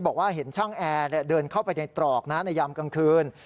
บอกว่าเห็นช่างแอร์เดินเข้าไปในตรอกนะในยามกลางคืน